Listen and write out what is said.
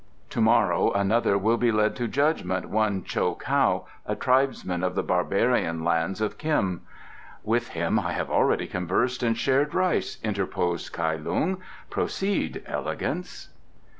To morrow another will be led to judgment, one Cho kow, a tribesman of the barbarian land of Khim." "With him I have already conversed and shared rice," interposed Kai Lung. "Proceed, elegance."